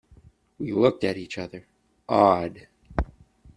We looked at each other, awed.